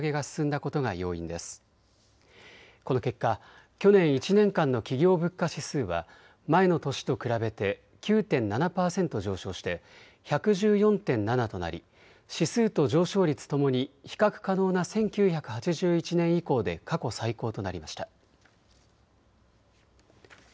この結果、去年１年間の企業物価指数は前の年と比べて９．７％上昇して１１４．７となり指数と上昇率ともに比較可能な１９８１年以降で過去最高となりました。